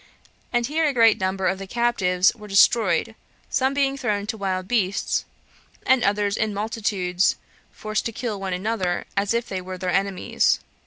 And here a great number of the captives were destroyed, some being thrown to wild beasts, and others in multitudes forced to kill one another, as if they were their enemies.